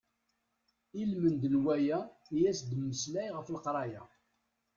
Ilmend n waya i as-d-mmeslay ɣef leqraya.